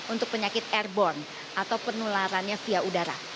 untuk penyakit airborne atau penularannya via udara